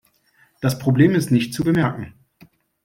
Das Problem ist nicht zu bemerken.